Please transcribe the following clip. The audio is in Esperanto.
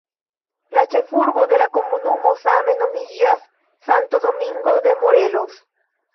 La ĉefurbo de la komunumo same nomiĝas "Santo Domingo de Morelos".